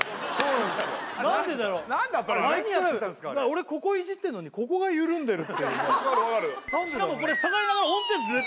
俺ここいじってんのにここが緩んでるっていうね分かる分かる